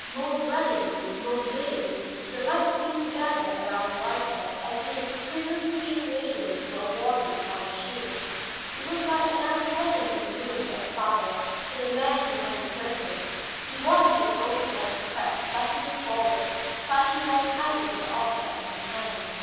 Most ruddily, most vividly, the light seemed to gather around the writer, as if its quivering pink radiance were a warning or a shield. It was like another presence in the room, that fire, to the man behind the curtain. He watched it also as he crept stealthily forward, clutching more tightly the object in his hand.